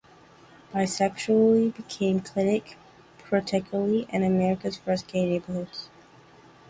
Bisexuality became chic, particularly in America's first gay neighborhoods.